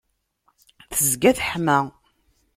tezga teḥma.